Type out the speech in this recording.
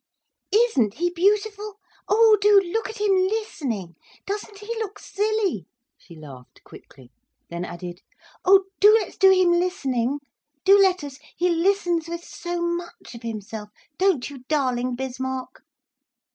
"Isn't he beautiful! Oh, do look at him listening! Doesn't he look silly!" she laughed quickly, then added "Oh, do let's do him listening, do let us, he listens with so much of himself;—don't you darling Bismarck?"